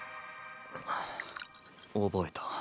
覚えた。